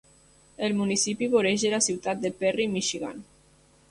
El municipi voreja la ciutat de Perry, Michigan.